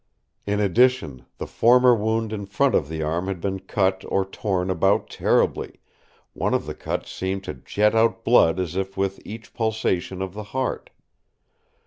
In addition, the former wound in front of the arm had been cut or torn about terribly, one of the cuts seemed to jet out blood as if with each pulsation of the heart.